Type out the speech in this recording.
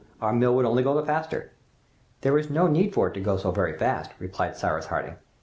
our mill would only go the faster!" "There is no need for it to go so very fast," replied Cyrus Harding.